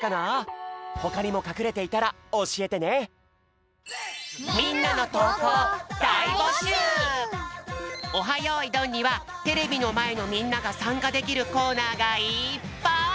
ほかにもかくれていたらおしえてね「オハ！よいどん」にはテレビのまえのみんながさんかできるコーナーがいっぱい！